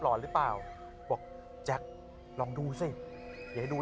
เพราะเคยเอาคอบักเข้าไปแล้วหรือเอารถใหญ่เข้าไปแล้ว